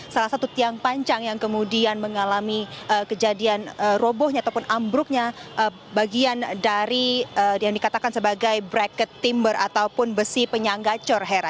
salah satu tiang panjang yang kemudian mengalami kejadian robohnya ataupun ambruknya bagian dari yang dikatakan sebagai bracket timber ataupun besi penyangga cor hera